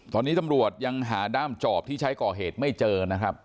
ตอนนี้ตำรวจยังหาด้ามจอบที่ใช้ก่อเหตุไม่เจอนะครับ